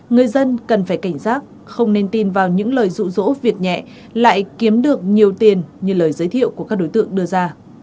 người dân cần phải cảnh giác không nên tin vào những lời rụ rỗ việc nhẹ lại kiếm được nhiều tiền như lời giới thiệu của các đối tượng đưa ra